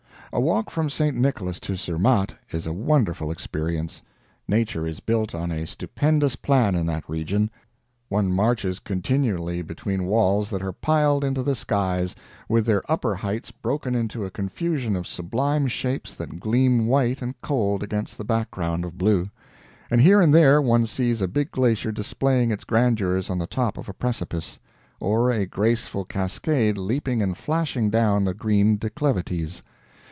] A walk from St. Nicholas to Zermatt is a wonderful experience. Nature is built on a stupendous plan in that region. One marches continually between walls that are piled into the skies, with their upper heights broken into a confusion of sublime shapes that gleam white and cold against the background of blue; and here and there one sees a big glacier displaying its grandeurs on the top of a precipice, or a graceful cascade leaping and flashing down the green declivities.